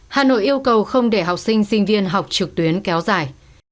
hà nội yêu cầu không để học sinh sinh viên học trực tuyến kéo dài